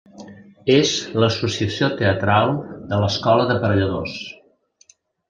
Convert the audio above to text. És l'associació teatral de l'Escola d'Aparelladors.